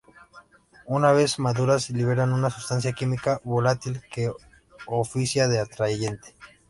Una vez maduras, liberan una sustancia química volátil que oficia de atrayente.